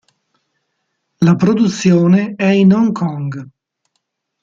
La produzione è in Hong Kong.